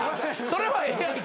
それはええやんけ。